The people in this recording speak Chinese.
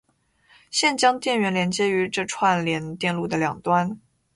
现将电源连接于这串联电路的两端。